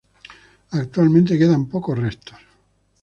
Actualmente quedan pocos restos.